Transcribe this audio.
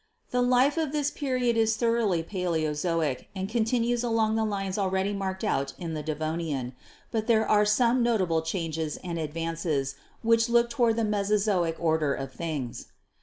The life of this period is thoroly Paleozoic and continues along the lines already marked out in the Devonian, but there are some notable changes and advances which look toward the Mesozoic order of things.